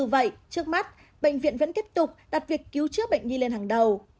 vậy trước mắt bệnh viện vẫn tiếp tục đặt việc cứu chữa bệnh nhi lên hàng đầu